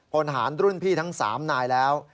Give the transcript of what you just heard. พลหารรุ่นพี่ทั้ง๓นายแล้ว